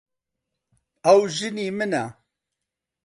ئەو ژنی منە.